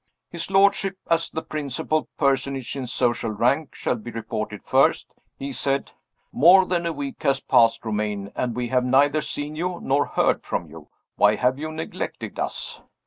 His lordship, as the principal personage in social rank, shall be reported first. He said: "More than a week has passed, Romayne, and we have neither seen you nor heard from you. Why have you neglected us?"